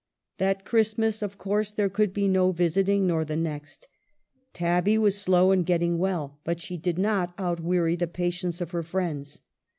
That Christmas, of course, there could be no visiting; nor the next. Tabby was slow in get ting well ; but she did not outvveary the patience of her friends.